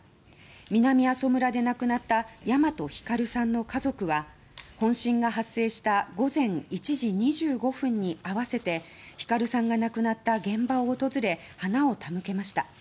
南阿蘇村で亡くなった大和晃さんの家族は本震が発生した午前１時２５分に合わせて晃さんが亡くなった現場を訪れ花を手向けました。